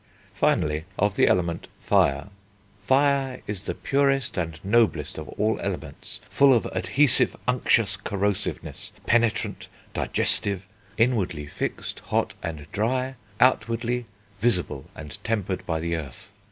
Finally, of the element Fire: "Fire is the purest and noblest of all Elements, full of adhesive unctuous corrosiveness, penetrant, digestive, inwardly fixed, hot and dry, outwardly visible, and tempered by the earth....